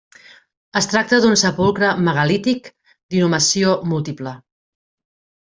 Es tracta d'un sepulcre megalític d'inhumació múltiple.